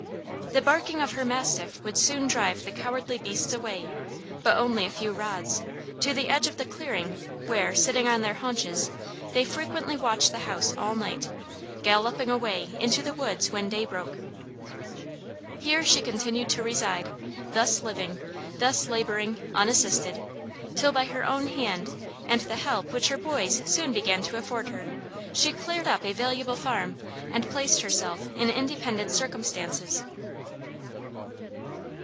The barking of her mastiff would soon drive the cowardly beasts away but only a few rods, to the edge of the clearing where, sitting on their haunches, they frequently watched the house all night, galloping away into the woods when day broke. Here she continued to reside, thus living, thus laboring, unassisted, till, by her own hand and the help which her boys soon began to afford her, she cleared up a valuable farm and placed herself in independent circumstances.